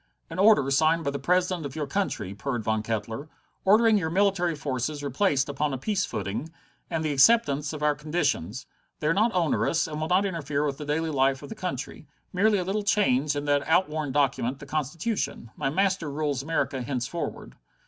"An order signed by the President of your country," purred Von Kettler, "ordering your military forces replaced upon a peace footing, and the acceptance of our conditions. They are not onerous, and will not interfere with the daily life of the country. Merely a little change in that outworn document, the Constitution. My master rules America henceforward."